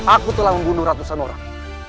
aku telah membunuh ratusan orang